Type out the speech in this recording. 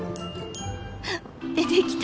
出てきた。